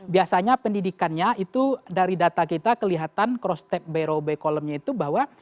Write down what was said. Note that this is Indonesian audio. biasanya pendidikannya itu dari data kita kelihatan cross stake biro b column nya itu bahwa